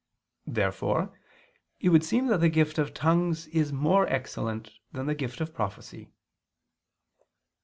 Therefore it would seem that the gift of tongues is more excellent than the gift of prophecy.